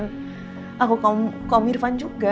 dan aku kau mirvan jahat